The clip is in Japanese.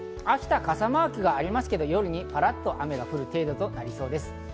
秋田は傘マークがありますが夜にぱらっと雨が降る程度となりそうです。